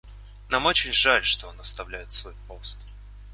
Нам очень жаль, что он оставляет свой пост.